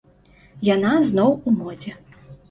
Яна зноў у модзе.